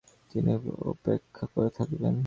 তিনি উপেক্ষা করে থাকেন।